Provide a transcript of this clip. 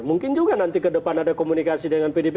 mungkin juga nanti ke depan ada komunikasi dengan pdip